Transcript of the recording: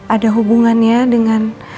ada hubungannya dengan